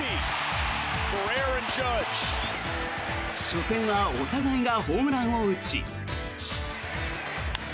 初戦はお互いがホームランを打ち。